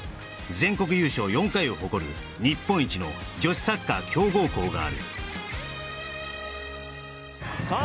全国優勝４回を誇る日本一の女子サッカー強豪校があるさあ